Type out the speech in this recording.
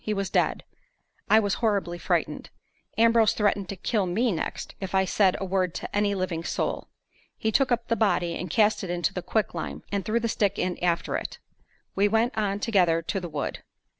He was dead. I was horribly frightened. Ambrose threatened to kill me next if I said a word to any living soul. He took up the body and cast it into the quicklime, and threw the stick in after it. We went on together to the wood.